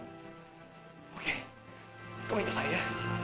oke kau ingat saya